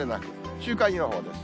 週間予報です。